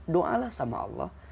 doalah sama allah